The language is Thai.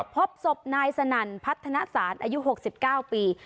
พบศพนายสนั่นพัฒนาศาลอายุ๖๙ปี